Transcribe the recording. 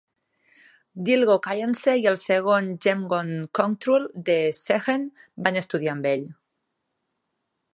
Dilgo Khyentse i el segon Jamgon Kongtrul de Sechen van estudiar amb ell.